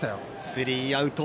スリーアウト。